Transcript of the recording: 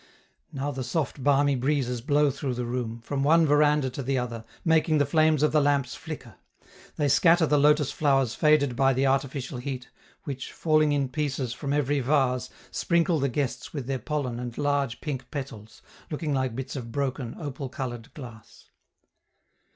Now the soft balmy breezes blow through the room, from one veranda to the other, making the flames of the lamps flicker. They scatter the lotus flowers faded by the artificial heat, which, falling in pieces from every vase, sprinkle the guests with their pollen and large pink petals, looking like bits of broken, opal colored glass.